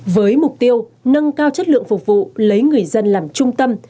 với mục tiêu nâng cao chất lượng phục vụ lấy người dân làm trung tâm